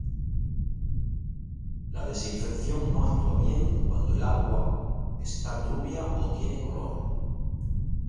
La desinfección no actúa bien cuando el agua está turbia o tiene color.